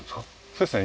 そうですね。